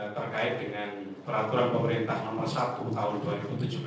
terkait dengan peraturan pemerintah nomor satu tahun dua ribu tujuh belas